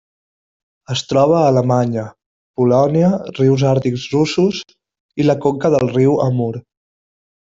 Es troba a Alemanya, Polònia, rius àrtics russos i la conca del riu Amur.